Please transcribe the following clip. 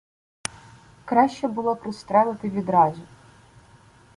Краще було пристрелити відразу.